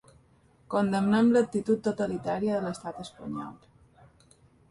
Condemnem l’actitud totalitària de l’estat espanyol.